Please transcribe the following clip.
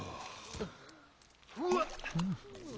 うわっ。